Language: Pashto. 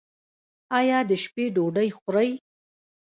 ایا د شپې ډوډۍ خورئ؟